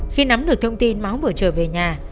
khi nắm được thông tin máu vừa trở về nhà